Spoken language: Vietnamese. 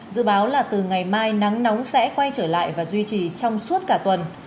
dự báo là từ ngày mai nắng nóng sẽ quay trở lại và duy trì trong suốt cả tuần